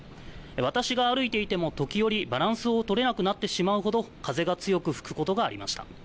私が歩いていても、時折バランスをとれなくなってしまうほど、風が強く吹くことがありました。